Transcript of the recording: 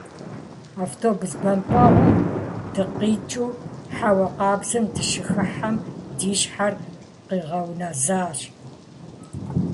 Автобус бампӀэгъуэм дыкъикӀыу хьэуа къабзэм дыщыхыхьэм, ди щхьэр къигъэунэзащ.